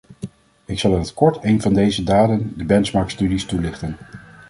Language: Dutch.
Ik zal in het kort een van deze daden, de benchmark-studies, toelichten.